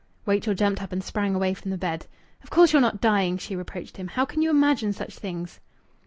Rachel jumped up and sprang away from the bed. "Of course you're not dying!" she reproached him. "How can you imagine such things?"